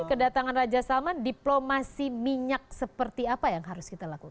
kedatangan raja salman diplomasi minyak seperti apa yang harus kita lakukan